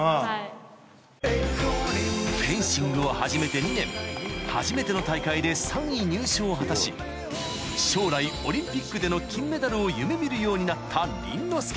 ［フェンシングを始めて２年初めての大会で３位入賞を果たし将来オリンピックでの金メダルを夢見るようになった凛之